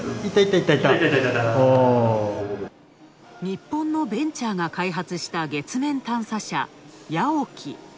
日本のベンチャーが開発した月面探査車ＹＡＯＫＩ。